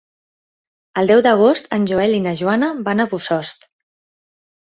El deu d'agost en Joel i na Joana van a Bossòst.